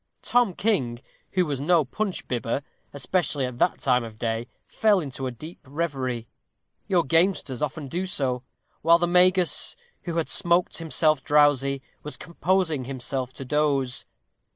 Tom King, who was no punch bibber, especially at that time of day, fell into a deep reverie; your gamesters often do so; while the Magus, who had smoked himself drowsy, was composing himself to a doze.